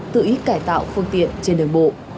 tự ý cải tạo phương tiện trên đường bộ